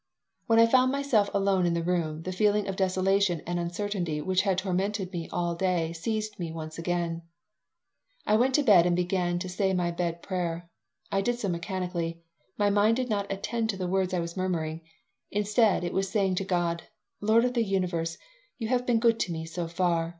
When I found myself alone in the room the feeling of desolation and uncertainty which had tormented me all day seized me once again I went to bed and began to say my bed prayer. I did so mechanically. My mind did not attend to the words I was murmuring. Instead, it was saying to God: "Lord of the Universe, you have been good to me so far.